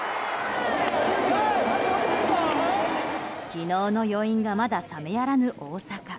昨日の余韻がまだ冷めやらぬ大阪。